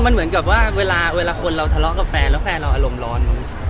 มันเหมือนกับว่าเวลาคนเราทะเลาะกับแฟนแล้วแฟนเราอารมณ์ร้อน